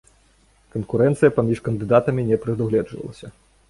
Канкурэнцыя паміж кандыдатамі не прадугледжвалася.